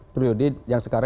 periode yang sekarang